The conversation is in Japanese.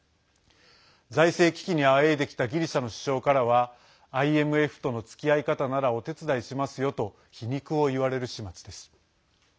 財政危機にあえいできたギリシャの首相からはＩＭＦとのつきあい方ならお手伝いしますよと皮肉を言われる始末です。